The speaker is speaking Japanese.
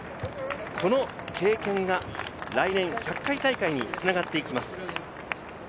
この経験が来年１００回大会に繋がっていきます。